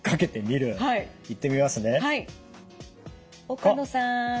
岡野さん。